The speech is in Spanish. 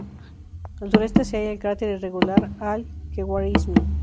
Al sureste se halla el cráter irregular Al-Khwarizmi.